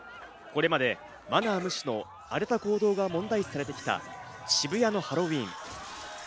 これまで、マナー無視の荒れた行動が問題視されてきた渋谷のハロウィーン。